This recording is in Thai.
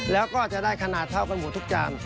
แล้วก็จะได้ขนาดเท่ากันหมดทุกอย่าง